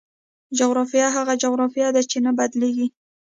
جغرافیه هغه جغرافیه ده چې نه بدلېږي.